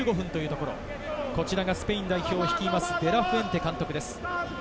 こちらがスペイン代表を率いるデ・ラ・フエンテ監督です。